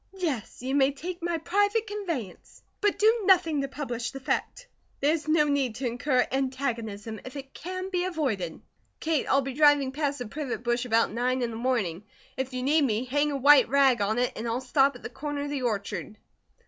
"Yes, you may take my private conveyance. But do nothing to publish the fact. There is no need to incur antagonism if it can be avoided." "Kate, I'll be driving past the privet bush about nine in the morning. If you need me, hang a white rag on it, and I'll stop at the corner of the orchard."